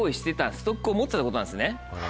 ストックを持ってたってことなんですね。